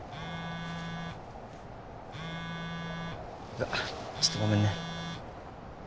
うわっちょっとごめんね。